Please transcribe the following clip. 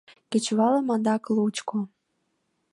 Кечывалым адак лучко.